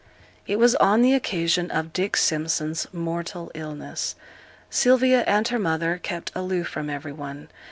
It was on the occasion of Dick Simpson's mortal illness. Sylvia and her mother kept aloof from every one.